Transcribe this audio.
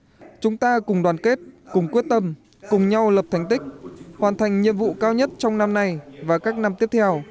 vì vậy chúng ta cùng đoàn kết cùng quyết tâm cùng nhau lập thành tích hoàn thành nhiệm vụ cao nhất trong năm nay và các năm tiếp theo